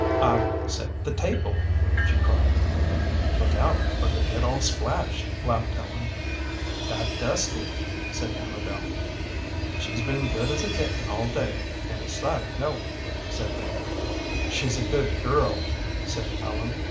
"I've set the table!" she cried. "Look out or you'll get all splashed," laughed Ellen. "And I dusted," said Amabel. "She's been as good as a kitten all day, and a sight of help," said Fanny. "She's a good girl," said Ellen.